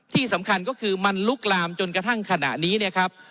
ที่สำคัญก็คือมันลุกลามจนกระทั่งขณะนี้เนี่ยครับ